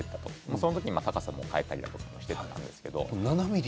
その時に高さも変えたりしていたんですけど。